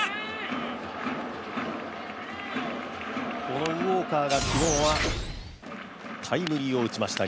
このウォーカーが昨日はタイムリーを打ちました。